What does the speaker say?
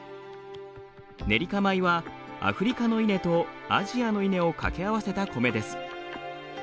ネリカ米はアフリカの稲とアジアの稲を掛け合わせた米です。